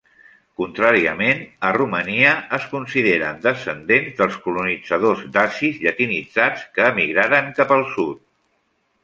Contràriament, a Romania es consideren descendents dels colonitzadors dacis llatinitzats que emigraren cap al sud.